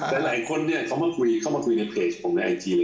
แต่หลายคนเขามาคุยในเพจผมในไอจี